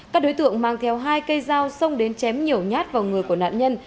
các đối tượng mang theo hai cây dao xông đến chém nhiều nhát vào người của nạn nhân